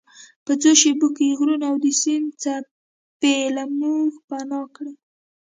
په څو شیبو کې یې غرونه او د سیند څپې له موږ پناه کړې.